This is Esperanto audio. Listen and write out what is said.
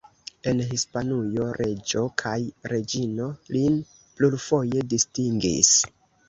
En Hispanujo reĝo kaj reĝino lin plurfoje distingis.